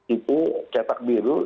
itu cetak biru